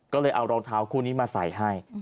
ก็เลยเอารองเท้าคู่นี้มาใส่ให้